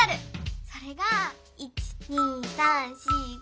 それが１・２・３・４・５。